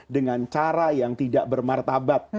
dengan cara yang tidak bermartabat